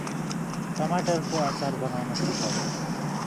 टमाटरको आचार बनाउन सिकाउ ।